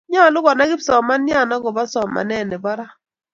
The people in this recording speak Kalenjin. nyoluu konai kipsomanian akubo somnee nebo ra